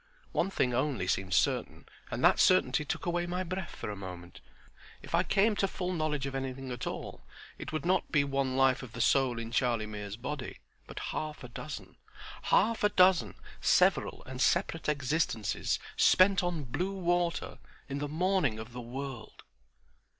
One thing only seemed certain and that certainty took away my breath for the moment. If I came to full knowledge of anything at all, it would not be one life of the soul in Charlie Mears's body, but half a dozen—half a dozen several and separate existences spent on blue water in the morning of the world!